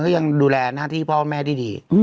เขายังดูแลหน้าที่พ่อแม่ได้ดี